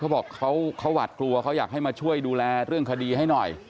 เขาบอกเขาหวาดกลัวเขาอยากให้มาช่วยดูแลเรื่องคดีให้หน่อย